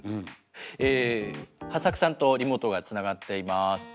はっさくさんとリモートがつながっています。